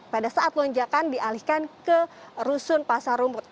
pada saat lonjakan dialihkan ke rusun pasar rumput